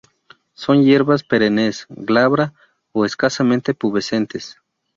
Son hierbas perennes, glabra o escasamente pubescentes.